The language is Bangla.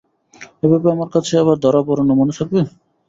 এভাবে আমার কাছে আবার ধরা পড়ো না, মনে থাকবে?